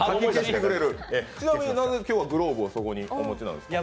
ちなみになぜそこにグローブをお持ちなんですか？